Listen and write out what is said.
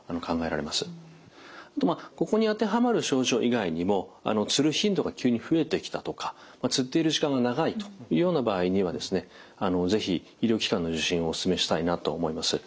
ここに当てはまる症状以外にもつる頻度が急に増えてきたとかつっている時間が長いというような場合にはですね是非医療機関の受診をおすすめしたいなと思います。